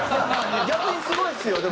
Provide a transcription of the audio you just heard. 逆にすごいですよでも。